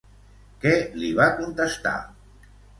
Què li va contestar?